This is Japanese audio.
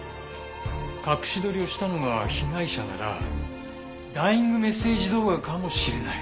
隠し撮りをしたのが被害者ならダイイングメッセージ動画かもしれない。